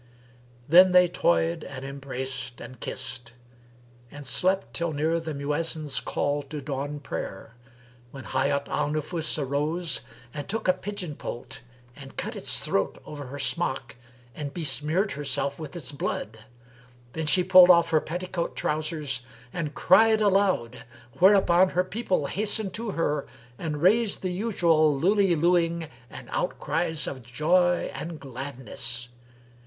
Then they toyed and embraced and kissed and slept till near the Mu'ezzin's call to dawn prayer, when Hayat al Nufus arose and took a pigeon poult,[FN#321] and cut its throat over her smock and besmeared herself with its blood. Then she pulled off her petticoat trousers and cried aloud, where upon her people hastened to her and raised the usual lullilooing and outcries of joy and gladness.